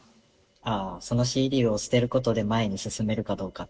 ああそのＣＤを捨てることで前に進めるかどうか？